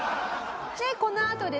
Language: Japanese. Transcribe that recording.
でこのあとですね